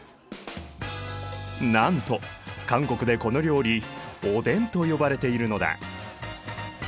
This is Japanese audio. なんと韓国でこの料理オデンと呼ばれているのだ。